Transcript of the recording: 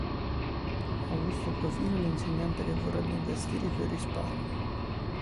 Augusto Profili è un insegnante che vorrebbe investire i suoi risparmi.